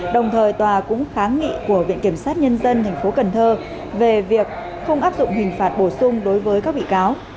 đồng thời tòa cũng kháng nghị của viện kiểm sát nhân dân tp cần thơ về việc không áp dụng hình phạt bổ sung đối với các bị cáo